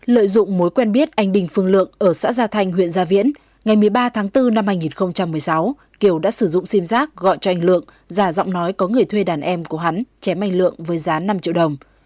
lợi dụng mối quen biết anh đình phương lượng ở xã gia thành huyện gia viễn ngày một mươi ba tháng bốn năm hai nghìn một mươi sáu kiều đã sử dụng sim giác gọi cho anh lượng giả giọng nói có người thuê đàn em của hắn chém anh lượng với giá năm triệu đồng